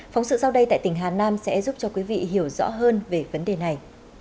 phóng sự sau đây tại tỉnh hà nam sẽ giúp cho quý vị hiểu rõ hơn về vấn đề này